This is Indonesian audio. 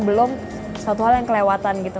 belum suatu hal yang kelewatan gitu